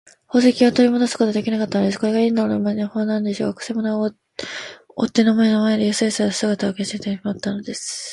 宝石をとりもどすこともできなかったのです。これがインド人の魔法なのでしょうか。くせ者は追っ手の目の前で、やすやすと姿を消してしまったのです。